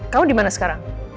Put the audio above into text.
kamu di mana sekarang